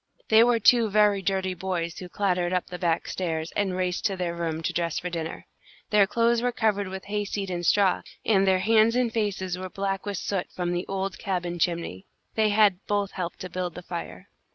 They were two very dirty boys who clattered up the back stairs, and raced to their room to dress for dinner. Their clothes were covered with hayseed and straw, and their hands and faces were black with soot from the old cabin chimney. They had both helped to build the fire.